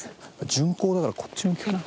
順光だからこっち向きかな？